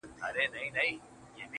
خو دې زما د مرگ د اوازې پر بنسټ_